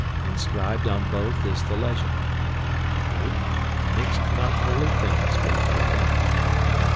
Inscribed on both is the legend: "Mixe not holy thinges with profane."